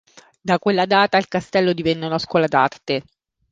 Da quella data il castello divenne una scuola d'arte.